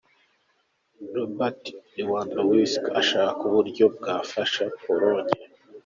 Robert Lewandowski ashaka uburyo bwafasha Pologne .